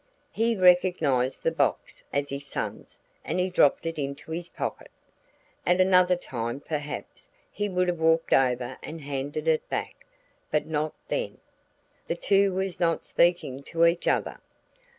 He recognized the box as his son's and he dropped it into his pocket. At another time perhaps he would have walked over and handed it back; but not then. The two were not speaking to each other.